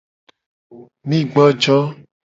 Mi gbojo.